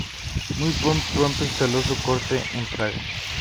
Muy pronto instaló su corte en Praga.